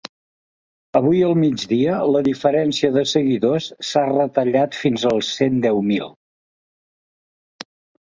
Avui a migdia la diferència de seguidors s’ha retallat fins als cent deu mil.